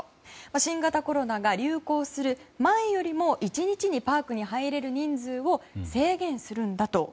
新型コロナが流行する前よりも１日にパークに入れる人数を制限するんだと。